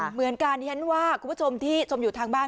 เหมือนกันที่ฉันว่าคุณผู้ชมที่ชมอยู่ทางบ้าน